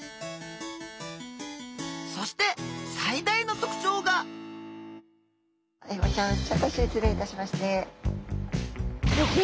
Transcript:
そして最大の特徴がアイゴちゃんちょっと失礼いたしますね。